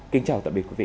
kính chào tạm biệt quý vị